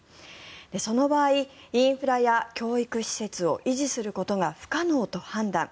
その場合、インフラや教育施設を維持することが不可能と判断。